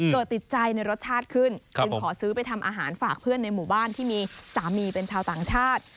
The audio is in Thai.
ติดใจในรสชาติขึ้นจึงขอซื้อไปทำอาหารฝากเพื่อนในหมู่บ้านที่มีสามีเป็นชาวต่างชาติ